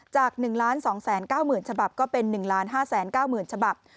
จาก๑๒๙๐๐๐ฉบับก็เป็น๑๕๙๐๐ฉบับ